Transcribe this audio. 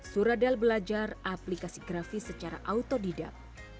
suradal belajar aplikasi grafis secara auto didap